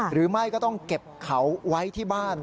หรือไม่ก็ต้องเก็บเขาไว้ที่บ้าน